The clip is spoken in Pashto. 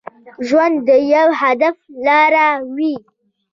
ژوند د يو هدف لپاره وي.